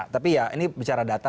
tapi ya ini bicara data